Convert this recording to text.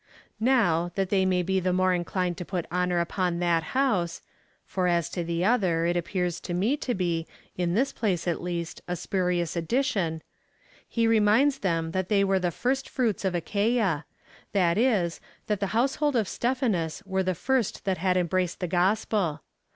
Now, that they may be the more inclined to put honour upon that house, (for as to the other, it appears to me to be, in this place at least, a spurious addition,) he reminds them that i\\ej \\QYe i\\Q first fruits of Achuia, that is, that the household of Stephanas were the first that had embraced the gospel.